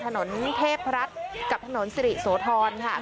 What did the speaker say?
ถนนเทพรัฐกับถนนสิหริยิแขมงสตรีโสธอน